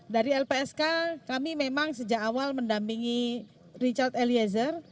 dari lpsk kami memang sejak awal mendampingi richard eliezer